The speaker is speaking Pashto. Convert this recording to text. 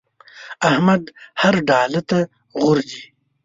احمد هر ډاله ته غورځي.